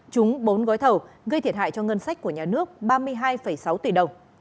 trúng bốn gói thầu gây thiệt hại cho ngân sách của nhà nước ba mươi hai sáu tỷ đồng